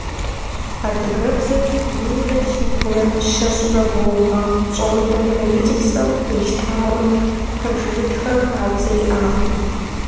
Адыгэбзэм минрэ щибгъурэ щэщӏрэ бгъу гъэ пщӏондэ правительствэм къищтауэ пэжырытхэ хабзэ иӏакъым.